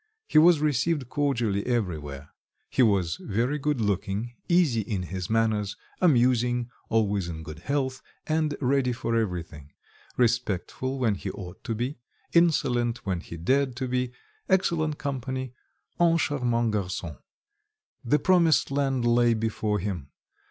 He was received cordially everywhere: he was very good looking, easy in his manners, amusing, always in good health, and ready for everything; respectful, when he ought to be; insolent, when he dared to be; excellent company, un charmant garçon. The promised land lay before him.